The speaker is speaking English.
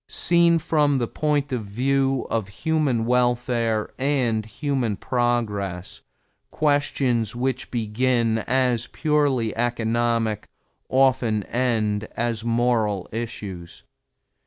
Seen from the point of view of human welfare and human progress, questions which begin as purely economic often end as moral issues.